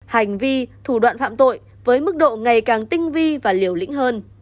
hành vi thủ đoạn phạm tội với mức độ ngày càng tinh vi và liều lĩnh hơn